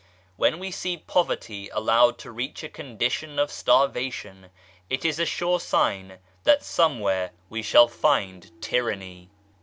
When we see poverty allowed to reach a condition of starvation it is a sure sign that somewhere we shall find tyranny.